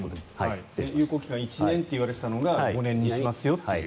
有効期限１年といわれていたのが５年にしますよという。